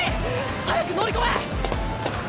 早く乗り込め！